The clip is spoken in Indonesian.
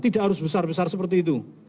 tidak harus besar besar seperti itu